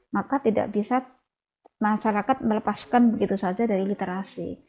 maka tidak bisa masyarakat melepaskan begitu saja dari literasi